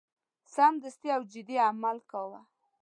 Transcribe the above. سمدستي او جدي عمل کاوه.